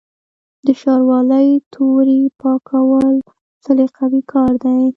د شاروالۍ تورې پاکول سلیقوي کار دی.